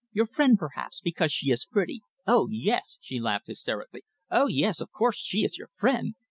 Your friend, perhaps, because she is pretty. Oh, yes!" she laughed, hysterically. "Oh, yes! Of course, she is your friend.